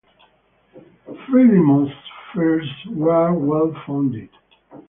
Frelimo's fears were well-founded.